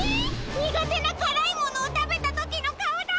にがてなからいものをたべたときのかおだ！